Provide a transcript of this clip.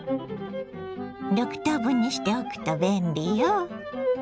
６等分にしておくと便利よ。